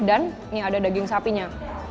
dan ini ada daging sapinya